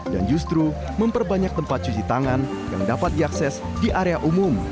dan justru memperbanyak tempat cuci tangan yang dapat diakses di area umum